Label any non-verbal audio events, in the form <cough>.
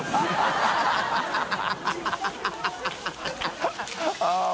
ハハハ <laughs>